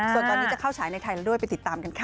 ส่วนตอนนี้จะเข้าฉายในไทยแล้วด้วยไปติดตามกันค่ะ